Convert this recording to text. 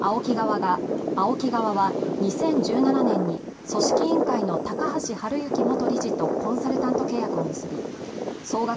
ＡＯＫＩ側が２０１７年に組織委員会の高橋治之元理事とコンサルタント契約を結び総額